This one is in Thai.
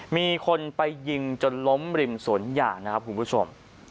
มีคนไปยิงจนล้มริมสวนยางนะครับคุณผู้ชม